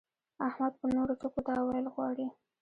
احمد په نورو ټکو دا ويل غواړي.